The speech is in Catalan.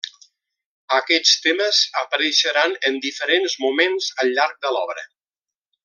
Aquests temes apareixeran en diferents moments al llarg de l'obra.